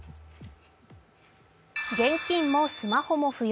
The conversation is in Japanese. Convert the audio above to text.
現金もスマホも不要。